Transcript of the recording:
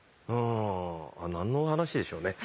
あ何の話でしょうね。